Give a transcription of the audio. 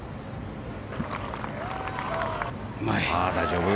大丈夫。